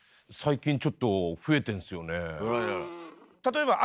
最近ちょっと増えてんすよねえ。